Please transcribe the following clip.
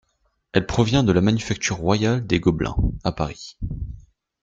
Elle provient de la Manufacture royale des Gobelins, à Paris.